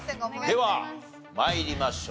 では参りましょう。